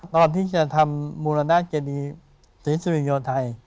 ตอนที่จะทำมูลนาเจดีศรีสุริโยไทย